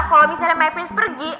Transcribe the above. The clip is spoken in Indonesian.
kalau misalnya may prince pergi